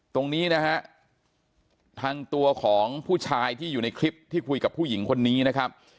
ตรงนี้นะฮะทางตัวของผู้ชายที่อยู่ในคลิปที่คุยกับผู้หญิงคนนี้นะครับ